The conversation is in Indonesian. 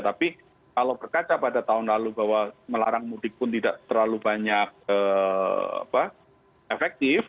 tapi kalau berkaca pada tahun lalu bahwa melarang mudik pun tidak terlalu banyak efektif